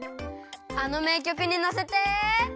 あのめいきょくにのせて。